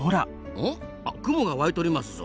うん？あっ雲が湧いとりますぞ。